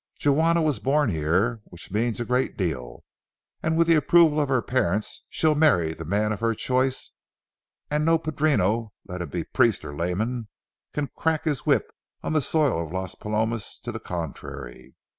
Juana was born here, which means a great deal, and with the approval of her parents, she'll marry the man of her choice, and no padrino, let him be priest or layman, can crack his whip on the soil of Las Palomas to the contrary.